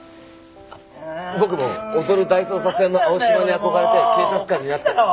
僕も『踊る大捜査線』の青島に憧れて警察官になった。